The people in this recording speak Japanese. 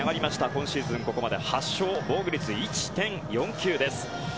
今シーズン、ここまで８勝、防御率１．４９です。